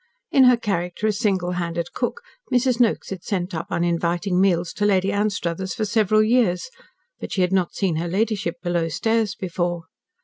In her character as "single handed" cook, Mrs. Noakes had sent up uninviting meals to Lady Anstruthers for several years, but she had not seen her ladyship below stairs before.